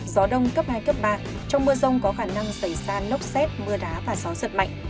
gió đông cấp hai cấp ba trong mưa rông có khả năng xảy ra lốc xét mưa đá và gió giật mạnh